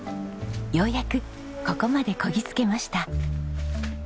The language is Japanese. ようやくここまでこぎ着けました。